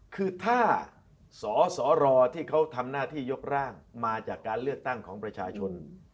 คือถ้าสสรที่เขาทำหน้าที่ยกร่างมาจากการเลือกตั้งของประชาชน